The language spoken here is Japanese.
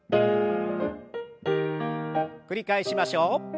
繰り返しましょう。